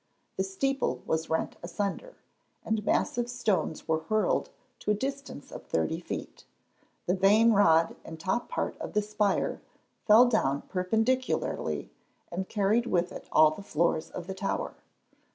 The steeple was rent asunder, and massive stones were hurled to a distance of thirty feet. The vane rod and top part of the spire fell down perpendicularly and carried with it all the floors of the tower.